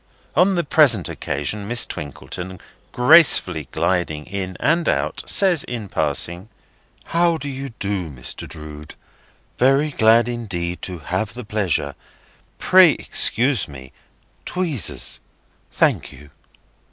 On the present occasion Miss Twinkleton, gracefully gliding in and out, says in passing: "How do you do, Mr. Drood? Very glad indeed to have the pleasure. Pray excuse me. Tweezers. Thank you!"